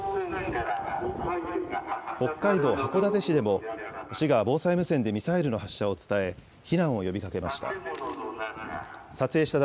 北海道函館市でも、市が防災無線でミサイルの発射を伝え、避難を呼びかけました。